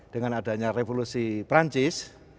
dengan adanya revolusi prancis